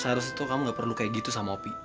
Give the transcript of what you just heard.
saya harus tahu kamu gak perlu kayak gitu sama opi